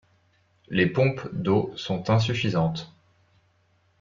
Les pompes d'eau sont insuffisantes.